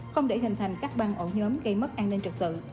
không để hình thành các băng ổ nhóm gây mất an ninh trật tự